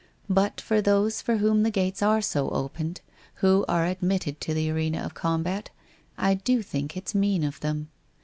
But for those for whom the gates are so opened, who are admitted to the arena of combat, I do think it's mean of them.